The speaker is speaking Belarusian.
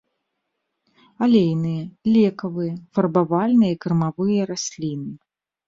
Алейныя, лекавыя, фарбавальныя і кармавыя расліны.